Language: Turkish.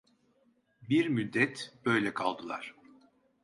Bir müddet böyle kaldılar.